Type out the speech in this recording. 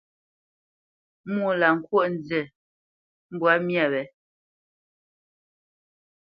Mwô lâ ŋkwóʼ nzi mbwǎ myâ wě.